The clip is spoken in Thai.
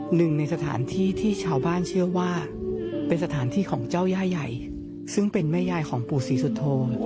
หนึ่งในสถานที่ที่ชาวบ้านเชื่อว่าเป็นสถานที่ของเจ้าย่าใหญ่ซึ่งเป็นแม่ยายของปู่ศรีสุโธ